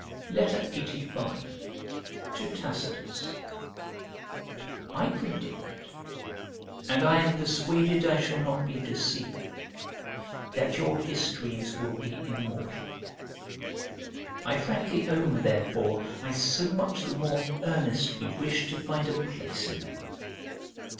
LXXXV To TACITUS I PREDICT (and I am persuaded I shall not be deceived) that your histories will be immortal. I frankly own therefore I so much the more earnestly wish to find a place in them.